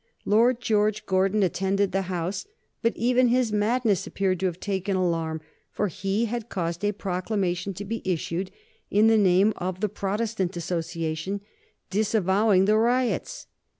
Lord George Gordon attended the House, but even his madness appeared to have taken alarm, for he had caused a proclamation to be issued in the name of the Protestant Association disavowing the riots.